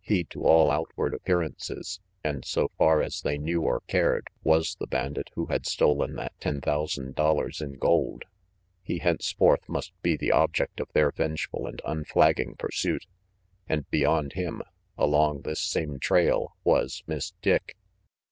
He, to all outward appearances, and so far as they knew or cared, was the bandit who had stolen that ten thousand dollars in gold. He henceforth must be the object of their vengeful and unflagging pursuit. And beyond him, along this same trail was Miss Dick!